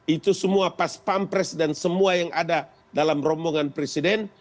itu semua pas pampres dan semua yang ada dalam rombongan presiden